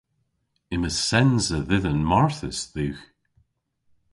Yma sens a dhidhan marthys dhywgh.